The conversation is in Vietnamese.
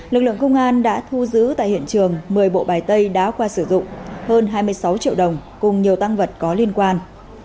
lực lượng công an đã thu giữ tại hiện trường một mươi bộ bài tay đã qua sử dụng hơn hai mươi sáu triệu đồng cùng nhiều tăng vật có liên quan